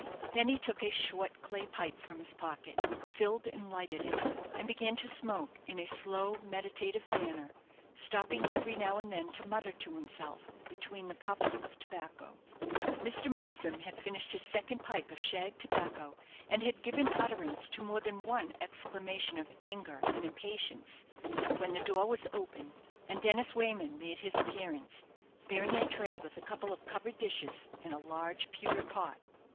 Then he took a short clay pipe from his pocket, filled and lighted it, and began to smoke, in a slow meditative manner, stopping every now and then to mutter to himself, between the puffs of tobacco. Mr. Milsom had finished his second pipe of shag tobacco, and had given utterance to more than one exclamation of anger and impatience, when the door was opened, and Dennis Wayman made his appearance, bearing a tray with a couple of covered dishes and a large pewter pot.